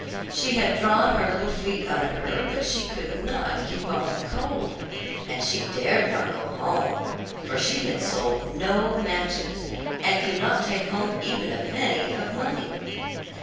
She had drawn her little feet under her, but she could not keep off the cold; and she dared not go home, for she had sold no matches, and could not take home even a penny of money.